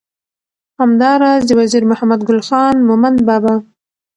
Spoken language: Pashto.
همدا راز د وزیر محمد ګل خان مومند بابا